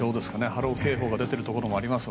波浪警報が出ているところもあります。